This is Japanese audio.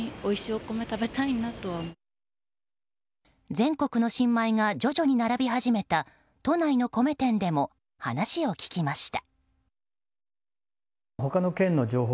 全国の新米が徐々に並び始めた都内の米店でも話を聞きました。